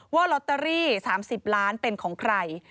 ว่าลอตเตอรี่๓๐ล้านเป็นของใคร